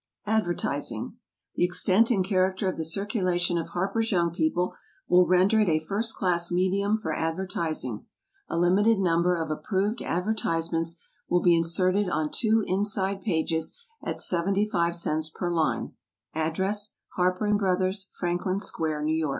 ADVERTISING. The extent and character of the circulation of HARPER'S YOUNG PEOPLE will render it a first class medium for advertising. A limited number of approved advertisements will be inserted on two inside pages at 75 cents per line. Address HARPER & BROTHERS, Franklin Square, N. Y.